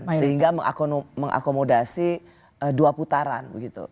sehingga mengakomodasi dua putaran begitu